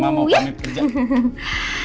mama mau pamit kerja